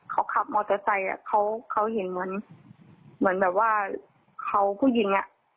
เขาขับมอเตอร์ไซค์เขาเห็นเหมือนเหมือนแบบว่าเขาผู้หญิงอ่ะ